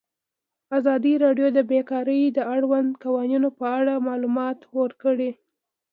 ازادي راډیو د بیکاري د اړونده قوانینو په اړه معلومات ورکړي.